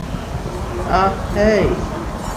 আহ, হেই।